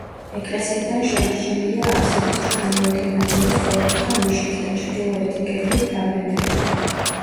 ეკლესიიდან შემორჩენილია აბსიდის ჩრდილოეთი ნაწილი სწორკუთხა ნიშით და ჩრდილოეთი კედლის ფრაგმენტებით.